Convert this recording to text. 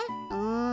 ん。